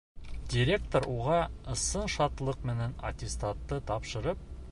Директор уға, ысын шатлыҡ менән аттестатты тапшырып: